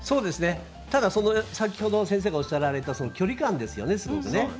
ただ、先ほど先生がおっしゃられた距離感ですよね。